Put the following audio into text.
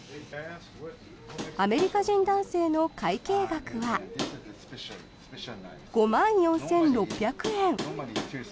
アメリカ人男性の会計額は５万４６００円。